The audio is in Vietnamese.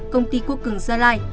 công ty quốc cường gia lai